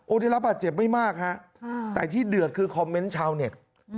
ได้รับบาดเจ็บไม่มากฮะแต่ที่เดือดคือคอมเมนต์ชาวเน็ต